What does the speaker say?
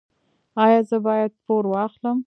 ایا زه باید پور واخلم؟